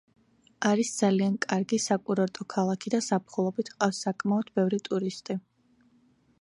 არის ძალიან კარგი საკურორტო ქალაქი და ზაფხულობით ჰყავს საკმაოდ ბევრი ტურისტი.